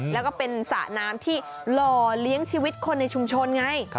แล้วก็เป็นสระน้ำที่หล่อเลี้ยงชีวิตคนในชุมชนไง